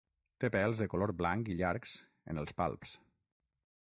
Té pèls de color blanc i llargs en els palps.